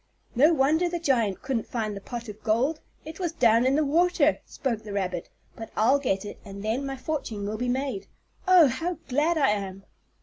"No wonder the giant couldn't find the pot of gold, it was down in the water," spoke the rabbit. "But I'll get it, and then my fortune will be made. Oh, how glad I am!"